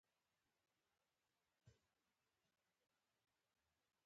خدای دې هېواد او خلک له طبعي آفتو لکه زلزله وساتئ